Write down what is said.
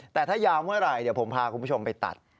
แต่ถ้ายาวเมื่อไหร่เดี๋ยวผมพาคุณผู้ชมไปตัด